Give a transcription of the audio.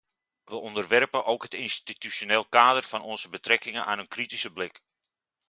We onderwerpen ook het institutioneel kader van onze betrekkingen aan een kritische blik.